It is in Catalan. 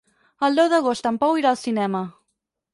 El deu d'agost en Pau irà al cinema.